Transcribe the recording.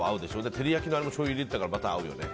照り焼きにもしょうゆ入れたらバター合うよね。